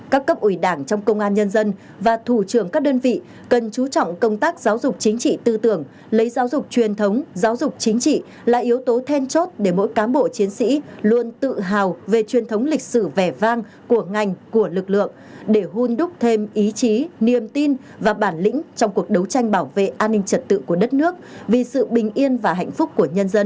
các cấp ủy đảng trong công an nhân dân và thủ trưởng các đơn vị cần chú trọng công tác giáo dục chính trị tư tưởng lấy giáo dục truyền thống giáo dục chính trị là yếu tố then chốt để mỗi cám bộ chiến sĩ luôn tự hào về truyền thống lịch sử vẻ vang của ngành của lực lượng để hôn đúc thêm ý chí niềm tin và bản lĩnh trong cuộc đấu tranh bảo vệ an ninh trật tự của đất nước vì sự bình yên và hạnh phúc của nhân dân